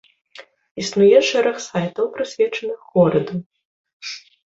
Існуе шэраг сайтаў, прысвечаных гораду.